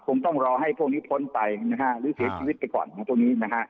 ต้องรอให้พวกนี้พ้นไปนะฮะหรือเสียชีวิตไปก่อนของพวกนี้นะฮะ